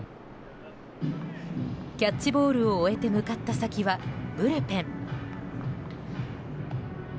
キャッチボールを終えて向かった先はブルペン。